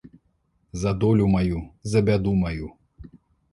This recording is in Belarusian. За долю маю, за бяду маю.